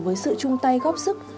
với sự chung tay góp sức